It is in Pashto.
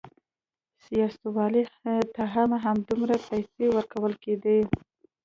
سیاستوالو ته هم همدومره پیسې ورکول کېدې.